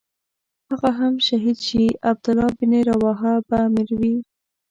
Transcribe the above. که هغه هم شهید شي عبدالله بن رواحه به امیر وي.